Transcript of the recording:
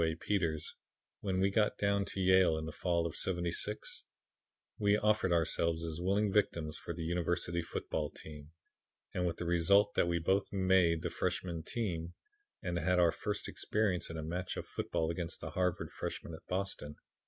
A. Peters, when we got down to Yale in the fall of '76, we offered ourselves as willing victims for the University football team, and with the result that we both 'made' the freshman team, and had our first experience in a match game of football against the Harvard freshman at Boston.